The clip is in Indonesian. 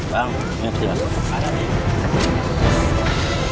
bang ini terima kasih